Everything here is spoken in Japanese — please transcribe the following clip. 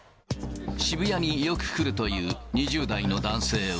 渋谷によく来るという２０代の男性は。